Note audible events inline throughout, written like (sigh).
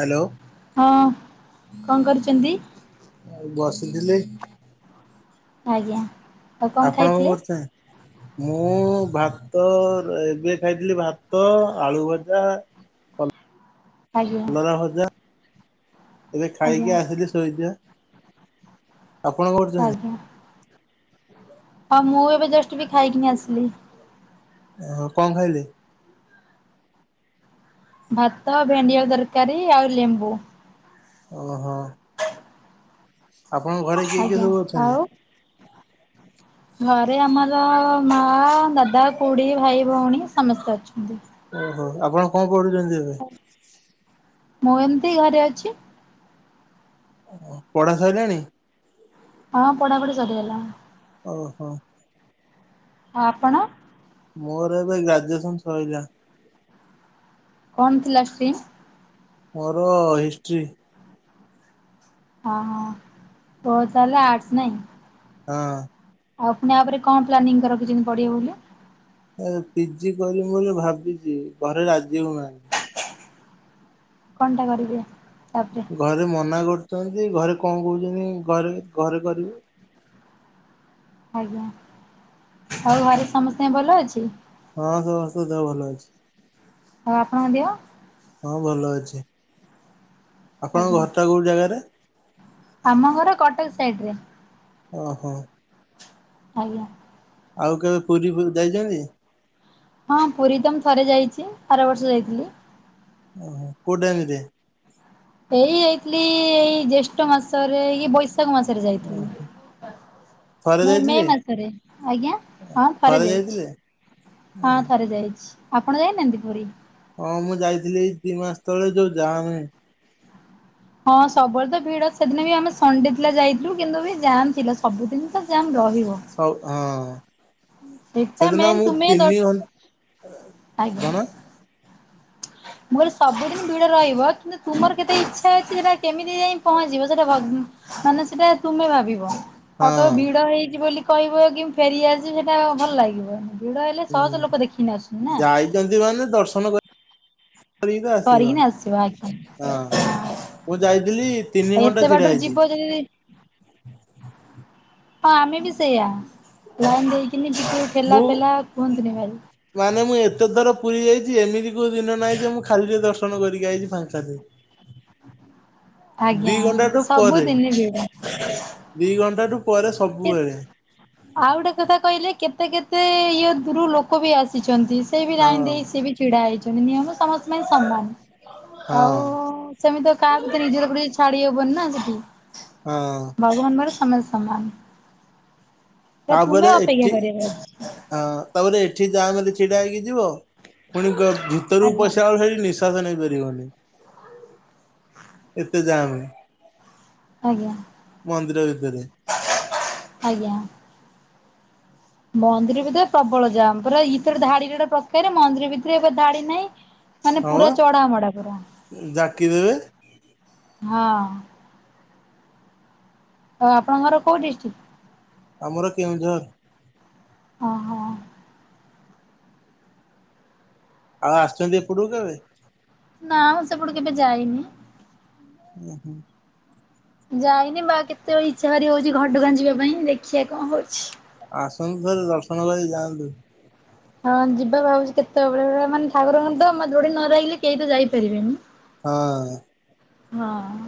Hello. ହଁ କଣ କରିଚନ୍ତି? ଆଉ ବସିଥିଲି। ଆଜ୍ଞା। ଆଉ ଆପଣ କଣ ଖାଇଥିଲେ? କରୁଚନ୍ତି? ମୁଁ ଭାତ ଏବେ ଖାଇଥିଲି ଭାତ ଆଳୁ ଭଜା ଆଜ୍ଞା କଲର ଭଜା ଏବେ ଆଜ୍ଞା ଖାଇକି ଆସିଲି ଶୋଇଚି ବା। ଆପଣ କୋଉ ଆଜ୍ଞା। ଆଉ ମୁଁ ଏବେ ଜଷ୍ଟ ବି ଖାଇକିନି ଆସିଲି। ଓହଁ କ ଖାଇଲେ? ଭାତ ଭେଣ୍ଡିଆଉ ତରକାରୀ ଆଉ ଲେମ୍ବୁ। ଓହୋ। ଆପଣଙ୍କ ଘରେ କିଏ କିଏ ଆଜ୍ଞା ସବୁ ଅଛନ୍ତି? ଆଉ ଘରେ ଆମର ମା ଦାଦା କୁଡି ଭାଇ ଭଉଣୀ ସମସ୍ତେ ଅଛନ୍ତି। ଓହୋ ଆପଣ କ କରୁଛନ୍ତି ଏବେ? ମୁଁ ଏମିତି ଘରେ ଅଛି। ଓ ପଢା ସାଇଲାଣି? ହଁ ପଢାପଢି ସରିଗଲାଣି। ଓହୋ। ଆଉ ଆପଣ? ମୋର ଏବେ ଗ୍ରାଜୁଏସନ ସଇଲା। କଣ ଥିଲା ଷ୍ଟ୍ରିମ୍? ମୋର ହିଷ୍ଟ୍ରି। ହଁ ହଁ ଓ ତାଲେ ଆର୍ଟସ ନାଇ? ହଁ। ଆଉ ଫୁଣି ଆପରେ କଣ ପ୍ଲାନିଂ ରଖିଛନ୍ତି ପଢ଼ିବେ ବୋଲି? ଏ ପିଜି କରିମି ବୋଲି ଭାବିଛି ଘରେ ରାଜି ହଉନାହାନ୍ତି। କଣ ଟା କରିବି ତାପରେ? ଘରେ ମନା କରୁଛନ୍ତି ଘରେ କଣ କହୁଛନ୍ତି ଘରେ ଘରେ କରିବେ? ଆଜ୍ଞା ହଉ ଘରେ ସମସ୍ତେ ଭଲ ଅଛି। ହଁ ସମସ୍ତେ ଙ୍କ ଦେହ ଭଲ ଅଛି। ଆଉ ଆପଣଙ୍କ ଦେହ? ହଁ ଭଲ ଅଛି। ଆପଣଙ୍କ ଆଜ୍ଞା ଘରଟା କୋଉ ଜାଗାରେ? ଆମ ଘର କଟକ ସାଇଟି ରେ। ଅହ। ଆଜ୍ଞା। ଆଉ କେବେ ପୁରୀ ବୁ ଯାଇଚନ୍ତି? ହଁ ପୁରୀ ତ ମୁଁ ଥରେ ଯାଇଛି ଆର ବର୍ଷ ଯାଇଥିଲି। ଓହୋ କୁ ଟାଇମ୍ ରେ? ଏଇ ଯାଇଥିଲି ଏଇ ଜେଷ୍ଠ ମାସରେ ଏଇ ବୈଶାଖ ମାସରେ ଯାଇଥିଲି। ଥରେ ମେ ମେ ଯାଇଥିଲେ ମାସରେ ଆଜ୍ଞା ହଁ ଥରେ ଯାଇଛି। ହଁ ଥରେ ଯାଇଛି। ଆପଣ ଯାଇନାହାନ୍ତି ପୁରୀ? ହଁ ମୁଁ ଯାଇଥିଲି ଏଇ ଦି ମାସ ତଳେ ଯୋଉ ଯାମେ। ହଁ ସବୁବେଳେ ତ ଭିଡ। ସେଦିନ ବି ଆମେ ସଣ୍ଡେ ଥିଲା ଯାଇଥିଲୁ କିନ୍ତୁ ବି ଜାମ୍ ଥିଲା ସବୁଦିନ ତ ଜାମ୍ ରହିବ। ସ ହଁ ସେଇଟା ସେଦିନ ମୁଁ ତିନି ଘ ଆଜ୍ଞ। ମୁଁ କହିଲି ସବୁଦିନ ଭିଡ ରହିବ କି ତୁମର କେତେ ଇଚ୍ଛା ଅଛି ସେଟା କେମିତି ଯାଇ ପହଞ୍ଚିବ ସେଟା ଭ ମାନେ ସେଇଟା ତୁମେ ଭାବିବ। ହଁ ଆଉ କାହାକୁ ଭିଡ ହେଇଛି ବୋଲି କହିବ କି ଫେରିଆସି ସେଇଟା କଣ ଭଲ ଲାଗିବ? ଭିଡ ହେଲେ ଶହ ଶହ ଲୋକ ଦେଖିକିନା ଆସୁଛନ୍ତି ନା! ଜଲଦି ମାନେ ଦର୍ଶନ କରିକିନା ଆସିବ। କରିକିନା ଆସିବା ଆଜ୍ଞା ହଁ ମୁଁ ଯାଇଥିଲି ତିନି ଆ ଘଣ୍ଟା ଏତେ ଛିଡା ବାଟରୁ ହେଇଛି ଯିବ ଯଦି ହଁ ଆମେ ବି ସେଇଆା ଲାଇନ ଦେଇକିନି ଟିକେ ଠେଲା ମୁଁ ପେଲା କୁହନ୍ତିୁନି ଭାଇ। ମାନେ ମୁଁ ଏତେଥର ପୁରୀ ଯାଇଛି ଏମିତି କୋଉ ଦିନ ନାହିଁ ଯେ ମୁଁ ଖାଲିରେ ଦର୍ଶ ନ କରିକି ଆଇଛି ଫାଙ୍କା ରେ। ଆଜ୍ଞା ସବୁଦିନେ ଭିଡ଼। ଦି ଘଣ୍ଟାରୁ ପରେ ସବୁବେଳେ କେତ ଆଉ ଗୋଟେ କଥା କହିଲେ କେତେ କେତେ ଇଏ ଦୂର ଲୋକ ବି ଆସିଛନ୍ତି ସେ ବି ଲାଇନ୍ ହଁ। ଦେଇ ସିଏ ବି ଛିଡା ହେଇଛନ୍ତି ନିୟମ ସମସ୍ତଙ୍କ ପାଇଁ ସମାନ ଆଉ ହଁ ସେମିତି ତ କାହାକୁ ତ ନିଜର କରି ଛାଡି ହବନି ନା ସେଠି। ହଁ। ଭଗବାନଙ୍କ ପାଖରେ ସମସ୍ତେ ସମାନ। ତୁମେ ତାପରେ ଅପେକ୍ଷା ଏଠି କରିବାର ଅଛି ହଁ ତାପରେ ଏଠି ଯାହା ବି ହେଲେ ଛିଡା ହେଇକି ଯିବ ପୁଣି କହିବ ଭିତରକୁ ଆଜ୍ଞା ପସିଇା ବେଳକୁ ସେଠି ନିଶ ଶ୍ୱାସ ନେଇପାରିବନି ଏତେ ଯାମେ। ଆଜ୍ଞା ଭିତରେ ଆଜ୍ଞା। ମନ୍ଦିର ଭିତରେ ପ୍ରବଳ ଜାମ୍ ପୁରା ଇଥରକେ ଧାଡିଟା ଗୋଟେ ପ୍ରକାରେ ମନ୍ଦିର ଭିତରେ ଏବେ ଧାଡି ନାହିଁ ମାନେ ହଁ ପୁରା ବା ଚଢ ମଢା ପୁରା ଜାକି ଦେବେ ହଁ। ଆଉ ଆପଣଙ୍କର କୋଉ ଡିଷ୍ଟ୍ରିକ୍ଟ? ଆମର କେଉଁଝର। ଓହୋ। ଆଉ ଆସିଛନ୍ତି ଏପଟକୁ କେବେ? ନା ମୁଁ ସେପଟକୁ କେବେ ଯାଇନି ଉଁ ହୁଁ। ଯାଇନି ବା କେତେବେଳେ ଇଚ୍ଛା ଭାରି ହଉଛି ଘଟଗାଁ ଯିବା ପାଇଁ ଦେଖିବା କଣ ହଉଛି। ଆସନ୍ତୁ ଥରେ ଦର୍ଶନ କରି ଯାଆନ୍ତୁ। ହଁ ଯିବା ଭାବୁଛି କେତେବେଳେ ମାନେ ଠାକୁରଙ୍କର ତ ବା ଡୋରୀ ନ ଲାଗିଲେ କେଇ ତ ଯାଇପାରିବେନି। ହଁ। ହଁ।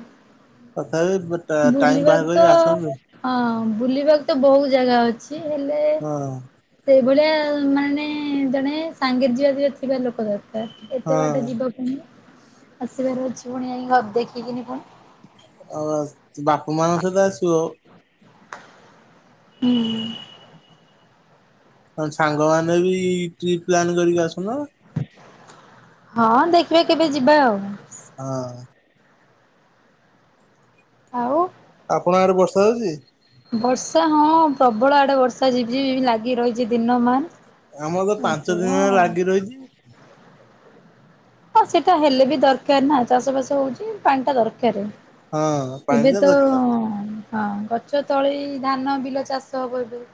ତଥାବି (unintelligible) ବୁଲିବାକୁ ତ ହଁ ବୁଲିବାକୁ ତ ବହୁତ ଜାଗା ଅଛି ହେଲେ ହଁ। ସେଇଭଳିଆ ମାନେ ଜଣେ ସାଙ୍ଗେରେ ଯିବା ଯିବା ଥିବା ଲୋକ ଦର୍ କାର ଏତେ ହଁ ବାଟ ଯିବ ପୁଣି ଆସିବାର ଅଛି ପୁଣି ଜାଇଙ୍କି (unintelligible) ଦେଖିକିନି ପୁଣି। ଆଉ ଆସ ତ ବାପା ମାଙ୍କ ସହିତ ଆସିବ। ହୁଁ। ନ ହେଲେ ସାଙ୍ଗମାନେ ବି ଟ୍ରିପ ପ୍ଲାନ୍ କରିକି ଆସୁନ। ହଁ ଦେଖିବା କେବେ ଯିବା ଆଉ। ହଁ। ଆଉ? ଆପଣଙ୍କ ଆଡ଼େ ବର୍ଷା ହଉଛି? ବର୍ଷା ହଁ ପ୍ରବଳ ଆଡେ ବର୍ଷା ଝିପି ଝିପି ଲାଗି ରହିଛି ଦିନମାନ୍। ଆମର ତ ପାଞ୍ଚ ଦିନ ଲାଗି ରହିଛି। ହଁ ସେଇଟା ହେଲେ ବି ଦରକାର ନା ଚାଷ ବାସ ହଉଛି ପାଣି ଟା ଦରକାର। ହଁ ପାଣି ଏବେ ତ ଦରକାର ହଁ ଗଛ ତଳେ ଧାନ ବିଲ ଚାଷ ହବ ଏବେ,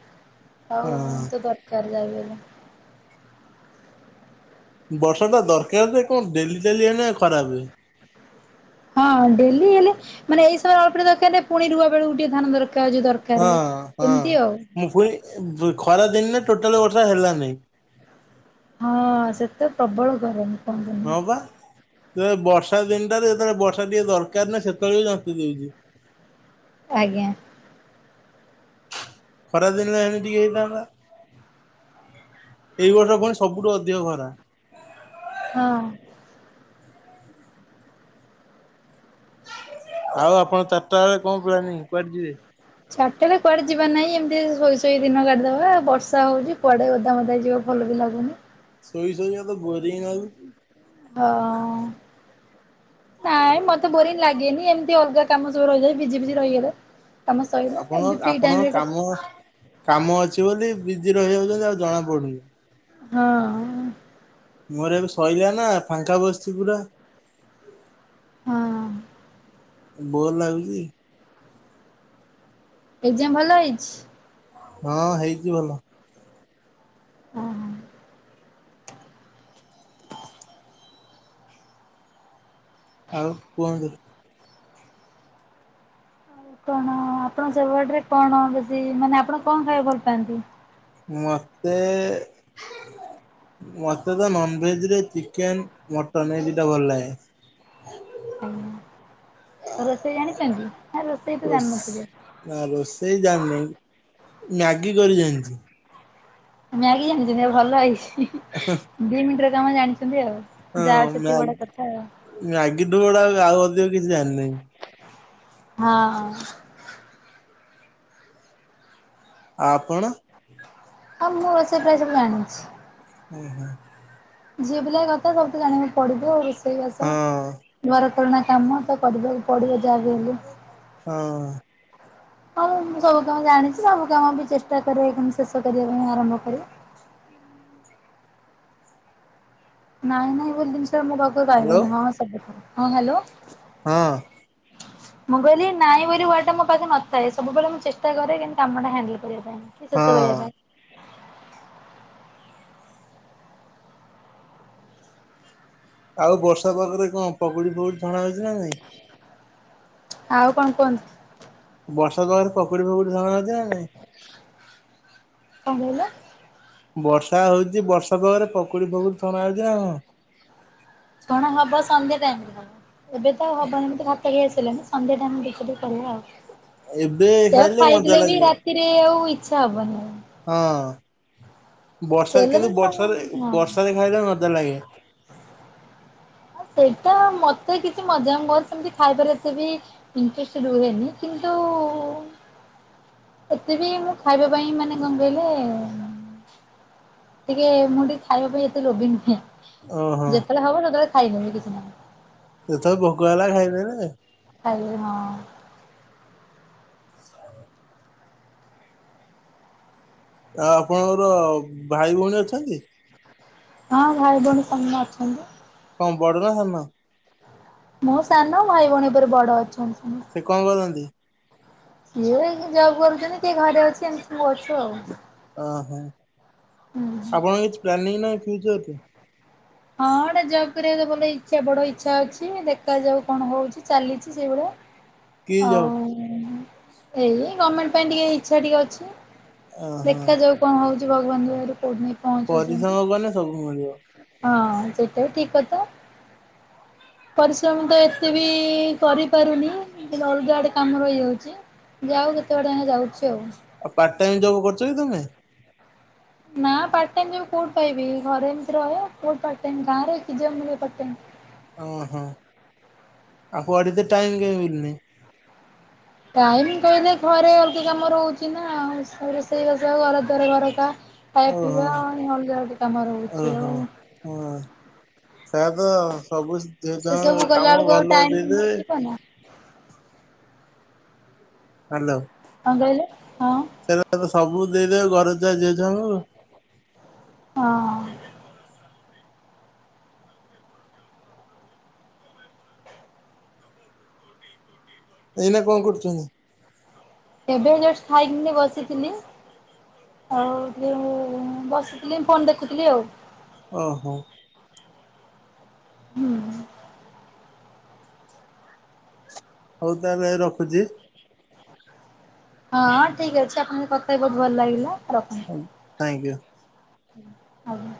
ଆଉ ହଁ ତ ଦର କରି ଯାଉ ହେଲେ ବର୍ଷା ଟା ଦରକାର ଯେ କଣ ଡେଲି ଡେଲି ଖରାପେ। ହଁ ଡେଲି ହେଲେ ମାନେ ଏଇ ସମୟରେ ଅଳ୍ପିଆ ଦରକାର ନା ପୁଣି ରୁଆ ବେଳକୁ ଟିକେ ଧାନ ଦରକାର। ଯୋଉ ଦ ରକାର, ହଁ ହଁ ଏମିତି ଆଉ। ମୁଁ ପୁଣି ଖରା ଦିନେ ଟୋଟାଲ ବର୍ଷା ହେଲାନି। ହଁ ସେତେ ପ୍ରବଳ ଗରମ। କ ହଁ ବା। ବର୍ଷା ଦିନଟାରେ ଯେତେବେଳେ ବର୍ଷା ଟିକେ ଦରକାର ନା ସେତେବେଳେ ବି ଯତି ଦଉଛି। ଆଜ୍ଞା। ଖରାଦିନରେ ଏମିତିି ହେଇଥାନ୍ତା ଏଇ ବର୍ଷ ପୁଣି ସବୁଠୁ ଅଧିକ ଖରା। ହଁ। ଆଉ ଆପଣ ଚାରିଟା ବେଳେ କଣ ପ୍ଲୀନିଂ କୁଆଡେ ଯିବେ? ଛାଟେରେ କୁଆଡେ ଯିବାର ନାହିଁ, ଏମିତି ଶୋଇ ଶୋଇ ଦିନ କାଟିଦବା ବର୍ଷା ହଉଛି କୁଆଡେ ଓଦା ମଦା ହେଇଯିବ। ଭଲ ବି ଲାଗୁନି। ସୋଇ ସୋଇ ମତେ ବୋରିଂ ଲାଗୁଛି। ହଁ। ନାଇଁ ମତେ ବୋରିଂ ଲାଗେନି ଏମିତି ଅଲଗା କାମ ସବୁ ରହିଗଲେ ଭଜି ଫିଜି ରହିଗଲେ। କାମ ସରିଲା ଆପଣ ଏମିତି ଫ୍ରି ଆପଣଙ୍କ ଟାଇମ୍ ରେ କାମ କେତ କାମ ଅଛି ବୋଲି ବିଜି ରହିଯାଉଛନ୍ତି ଆଉ ଜଣାପଡ଼ୁନି। ହଁ। ମୋର ଏବେ ଶୋଇଲା ନା ଫାଙ୍କା ବସିଛି ପୁରା। ହଁ। ବୋର୍ ଲାଗୁଛି। ଏକ୍ଜାମ୍ ଭଲ ହେଇଛି? ହଁ ହେଇଛି ଭଲ। ହଁ। ଆଉ କୁହନ୍ତୁ? କଣ ଆପଣ ସେଡରେ କଣ ବେଶୀ ମାନେ ଆପଣ କଣ ଖାଇବା ଭଲ ପାଆନ୍ତି? ମତେ ମତେ ତ ନନ୍ ଭେଜ୍ ରେ ଚିକେନ୍ ମଟନ ଏଇ ଦିଇଟା ଭଲ ଲାଗେ। ଆଜ୍ଞା। ରୋଷେଇ ଜାଣିଛନ୍ତି? ନା ରୋଷେଇ ତ ଜାଣିନଥିବେ? ରୋଷେ ନା ରୋଷେଇ ଜାଣିନି ମ୍ୟାଗି କରି ଜାଣିଛି। ମ୍ୟାଗି ଯାଣିଛନ୍ତି ଭଲ ହେଇଛି। ଦି ମିନିଟ୍ ରେ କାମ ଜାଣିଛନ୍ତି ଆଉ। ହଁ ଯାହା ସେତିକି ବଡ କଥା ଆଉ। ମ୍ୟାଗ଼୍- ମ୍ୟାଗି ଠୁ ବଡ ଆଉ ଅଧିକ କିଛି ଜାଣିନାହିଁ ହଁ। ଆଉ ଆପଣ? ହଁ ମୁଁ ସେଟା ସବୁ ଜଣିଛି। ଓହୋ। ଝିଅ ପିଲା କଥା ସବୁ ତୁ ଜାଣିବାକୁ ପଡିବ ରୋଷେଇବାସ ଘର କରଣା କାମ ତ କରିବାକୁ ପଡିବ ଯାହା ବି ହେଲେ। ହଁ। ହ ହଁ ମୁଁ ସବୁ କାମ ଜାଣିଛି ସବୁ କାମ ବି ଚେଷ୍ଟା କରେ ଶେଷ କରିବା ପାଇଁ ଆରମ୍ଭ କରେ। ନାଇଁ ନାଇଁ ବୋଲି ଜିନିଷ ମୋ ପାଖରୁ ପାଇବେନି ହଁ ସବୁ ହଁ ହ୍ୟାଲୋ। ହଁ। ହ ମୁଁ କହିଲି ନାଇଁ ବୋଲି ୱାର୍ଡଟା ମୋ ପାଖେ ନଥାଏ ସବୁବେଳେ ମୁଁ ଚେଷ୍ଟା କରେ କିନ୍ତୁ କାମଟା ହ୍ୟାଣ୍ଡେଲ କରିବା ପାଇଁ। କୁ ଶେଷ କରିବା ହଁ ପାଇଁ। ଆଉ ବର୍ଷା ପାଖରେ କଣ ପକୁଡି ଫକୁଡି ଛଣା ହଉଛି ନା ନାଇଁ? ଆଉ କଣ କୁହନ୍ତୁ? ବର୍ଷା ପାଗ ରେ ପକୁଡି ଫକୁଡି ଛଣା ହଉଛି ନା ନାଇଁ? କଣ କହିଲେ? ବର୍ଷା ହଉଛି ବର୍ଷାପାଗ ରେ ପକୁଡି ଫକୁଡି ଛଣା ହଉଛି ନାଁ? ଛଣା ହବ ସନ୍ଧ୍ୟା ଟାଇମ୍ ରେ ଏବେ ତ ହବନି ଭାତ ଖିଆ ସାଇଲାଣିି। ସନ୍ଧ୍ୟା ଟାଇମ୍ କରିବା ଏବେ ଆଉ ସେ ମଜା ଖାଇଲେ ବି ରାତି ଲାଗିବ। ରାତି ରେ ଆଉ ଇଚ୍ଛା ହବନି। ହଁ ବର୍ଷାରେ ତେଲ କିନ୍ତୁ ଜିନିଷ ବର୍ଷାରେ ହଁ ବର୍ଷାରେ ଖାଇଲେ ମଜା ଲାଗେ। ସେଇଟା ମତେ କିଛି ମଜା କର ସେମିତି ଖାଇବାର ସେ ବି ଇନ୍ଟ୍ରେସ୍ ରୁହେନି କିନ୍ତୁ ଏତେ ବି ମୁଁ ଖାଇବା ପାଇଁ ମାନେ କଣ କହିଲେ? ଟିକେ ମୁଁ ଟିକେ ଖାଇବା ପାଇଁ ଏତେ ଲୋଭି ନୁହେଁ। ଓହୋ। ଯେତେଳେ ହବ ସେତେଳେ ଖାଇ ନେବି କିଛି ନାହି। ଯେତେବେଳେ ଭୋକ ହେଲା ଖାଇଦେବେ। ଖାଇଦେବି ହାଁ। ଆଉ ଆପଣଙ୍କର ଭାଇ ଭଉଣୀ ଅଛନ୍ତି? ହଁ ଭାଇ ଭଉଣୀ ସମସ୍ତି ଅଛନ୍ତି। କଣ ବଡ ନା ସାନ? ମୁଁ ସାନ ଭାଇ ଭଉଣୀ ଉପରେ ବଡ ଅଛନ୍ତି। ସେ କଣ କରନ୍ତି? ସିଏ ଜବ୍ କରୁଛନ୍ତି କିଏ ଘରେ ଅଛି ଏମିତି ସବୁ ଅଛୁ ଆଉ ଓହୋ ଆପଣଙ୍କ କିଛି ପ୍ଲାନିଂ ନାହିଁ ଫ୍ଫ୍ୟୁଚର୍ ରେ। ହଁ ଏଟେ ଜବ୍ କରିବା ତ ଭଲ ବଡ ଇଚ୍ଛା ଅଛି ଦେଖାଯାଉ କଣ ହଉଛି ଚାଲିଛି ସେଇଭଳିଆ କି ଜବ ହଉ ଏଇ ଗମେଣ୍ଟ ପାଇଁ ଟିକେ ଇଛା ଟିକେ ଅଛି। ଓହୋ ଦେଖାଯାଉ କଣ ହଉଛି ଭଗବାନଙ୍କରୁ କୋଉଠି ପହଞ୍ଚଉଛନ୍ତି। ପରିଶ୍ରମ କଲେ ସବୁ ମିଳିବ। ହଁ ସେଟା ବି ଠିକ୍ କଥା। ପରିଶ୍ରମ ତ ଏତେ ବି କରିପାରୁନି। ଅଲଗାଆଡେ କାମ ରହିହେଇଯାଉଛି ଯାଉ କେତେ ବାଟ ଯାଉଛି ଆଉ? ଆଉ ପାର୍ଟ ଟାଇମ ଜବ୍ କରୁଛ କି ତମେ? ନାପାର୍ଟ-ଟାଇମ୍ ଜବ୍ କୋଉଠୁ ପାଇବି ଘରେ ଏମିତି ରହେ କୋଉଠୁ ପାର୍ଟ-ଟାଇମ୍ ଗାଁରେ କି ଜବ୍ ପାର୍ଟ-ଟାଇମ୍ ଓ ହଁ କୁଆଡେ ତ ଟାଇମ କାଇଁ ମିଳୁନି? ଟାଇମ କହିଲେ ଘରେ ଅଲଗା କାମ ରହୁଛି ନା ଆଉ ରୋଷେଇବାସ ସହ ଘର ଦାର ଘରକା। ଖାଇଆ ଓହୋ ପିଇବା ଆଉ ଅଲଗା (unintelligible) କାମ ରହୁଚି ଆଉ। ହଁ। ପ୍ରାୟତଃ ସବୁ ଝିଅ ସେ ଛୁଆଙ୍କର ସବୁ (unintelligible) କଲାବେଳକୁ ଘର ଆଉ ଲୋକ ଟାଇମ ଦେଇଦେବେ। ବଞ୍ଚିବ ନା ହାଲୋ। କଣ କହିଲେ, ହଁ। (unintelligible) ତ ସବୁ ଦେଇଦେବେ ଘରେ (unintelligible) ଝିଅ ଛୁଆଙ୍କୁ। ହଁ। ଏଇନା କଣ କରୁଚନ୍ତି? ଏବେ ଜଷ୍ଟ ଖାଇକିନି ବସିଥିଲି। ବସିଥିଲି ଫୋନ୍ ଦେଖୁଥିଲି ଆଉ। ଓହୋ। ହୁଁ-ହୁଁ। ହଉ ତାହେଲେ ରଖୁଚି। ହଁଁ ଠିକ୍ ଅଛି ଆପଣଙ୍କ କଥା ବି ବହୁତ୍ ଭଲ୍ ଲାଗିଲା ରଖନ୍ତୁ। Thank you. ଆଜ୍ଞା।